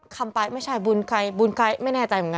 คำไปไม่ใช่บุญใครบุญใครไม่แน่ใจเหมือนกัน